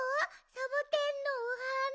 サボテンのおはな！